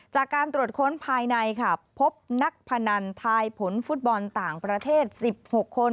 จากการตรวจค้นภายในค่ะพบนักพนันทายผลฟุตบอลต่างประเทศ๑๖คน